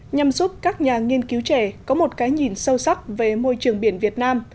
nhằm giúp các nhà nghiên cứu trẻ có một cái nhìn sâu sắc về môi trường biển việt nam